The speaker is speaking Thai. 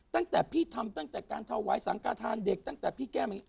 ตั้งแต่พี่ทำตั้งแต่การถวายสังกฐานเด็กตั้งแต่พี่แก้มา